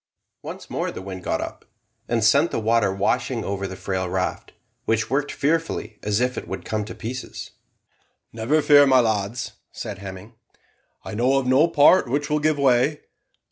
Once more the wind got up, and sent the water washing over the frail raft, which worked fearfully, as if it would come to pieces. "Never fear, my lads," said Hemming, "I know of no part which will give way.